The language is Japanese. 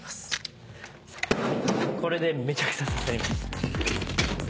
これでめちゃくちゃ刺さりました。